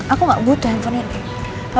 aku gak butuh handphonenya